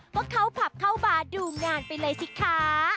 ก็เข้าผับเข้าบาร์ดูงานไปเลยสิคะ